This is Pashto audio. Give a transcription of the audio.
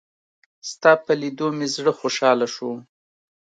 ستا په لېدو مې زړه خوشحاله شو.